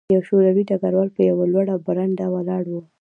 یو شوروي ډګروال په یوه لوړه برنډه ولاړ و